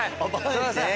すいません。